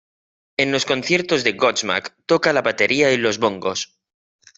En los conciertos de Godsmack toca la batería y los bongos.